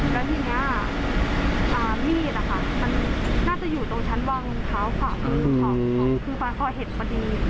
แล้วทีนี้มีดมันน่าจะอยู่ตรงชั้นวังขาวขาวของคือป้าขอเห็ดพอดี